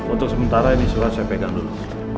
untuk sementara ini surat saya pegang dulu